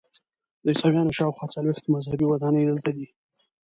د عیسویانو شاخوا څلویښت مذهبي ودانۍ دلته دي.